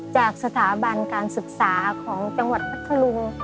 จากสถาบันการศึกษาของจังหวัดพัทธลุง